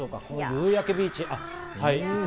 夕焼けビーチ。